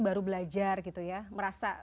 baru belajar gitu ya merasa